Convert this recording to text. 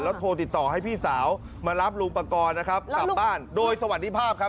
โทรติดต่อให้พี่สาวมารับลุงปกรณ์นะครับกลับบ้านโดยสวัสดีภาพครับ